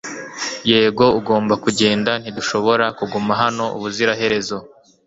Yego ugomba kugenda ntidushobora kuguma hano ubuziraherezo